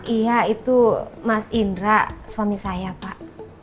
iya itu mas indra suami saya pak